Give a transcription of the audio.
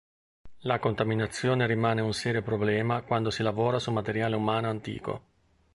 La contaminazione rimane un serio problema quando si lavora su materiale umano antico.